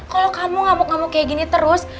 kalau kamu ngamuk ngamuk kayak gini terus